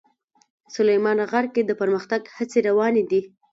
سلیمان غر کې د پرمختګ هڅې روانې دي.